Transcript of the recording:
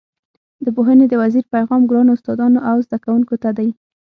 د پوهنې د وزیر پیغام ګرانو استادانو او زده کوونکو ته دی.